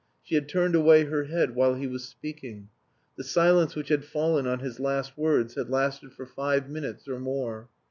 She had turned away her head while he was speaking. The silence which had fallen on his last words had lasted for five minutes or more.